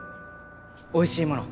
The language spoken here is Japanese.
おいしいもの